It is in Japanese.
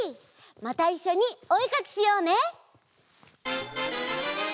またいっしょにおえかきしようね！